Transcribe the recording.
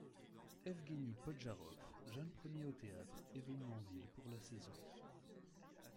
Evguéni Podjarov, jeune premier au théâtre, est venu en ville pour la saison.